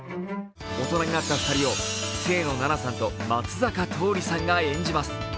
大人になった２人を清野菜名さんと松坂桃李さんが演じます。